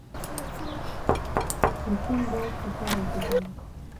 انسان باید فشار وپېژني.